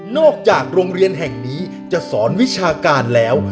โรงเรียนแห่งนี้จะสอนวิชาการแล้ว